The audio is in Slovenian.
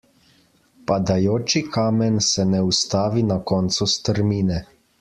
Padajoči kamen se ne ustavi na koncu strmine.